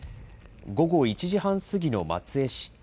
午後１時半過ぎの松江市。